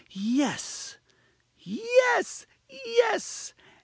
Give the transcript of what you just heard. yes!) Yes! _yes!